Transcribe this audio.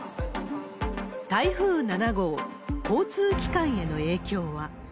台風７号、交通機関への影響は。